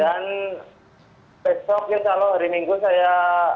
dan besok ya kalau hari minggu saya